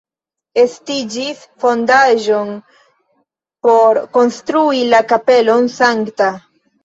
Estiĝis fondaĵon por konstrui la kapelon Sankta.